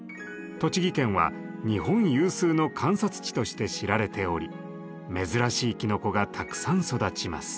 栃木県は日本有数の観察地として知られており珍しいきのこがたくさん育ちます。